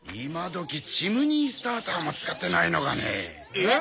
えっ？